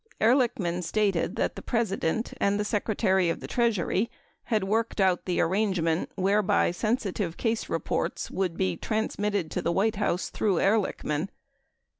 Ehrlichman stated that the President and the Secretary of the Treasury had worked out the ar rangement whereby sensitive case reports would be transmitted to the White House through Ehrlichman.